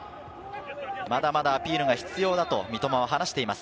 まだまだアピールが必要だと三笘は話しています。